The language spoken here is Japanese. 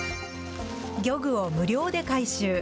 漁具を無料で回収。